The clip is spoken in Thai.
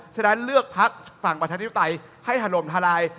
ฉะนั้นเลือกพักฝั่งประชาธิปไตยให้ถนมทลาย